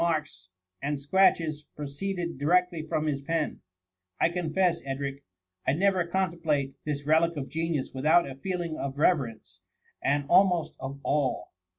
marks and scratches pro ceeded directly from his pen* I confess, Edric, I never contemplate this relic of genius without a feeling of reverence, and almost of awe.